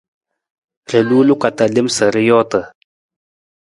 Ra luu loko ta lem sa ra joota.